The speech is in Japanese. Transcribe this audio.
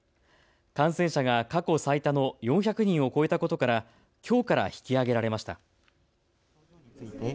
感染者が過去最多の４００人を超えたことからきょうから引き上げられました。